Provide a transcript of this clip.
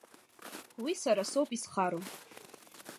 Уи сара соуп изхароу.